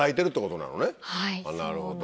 なるほど。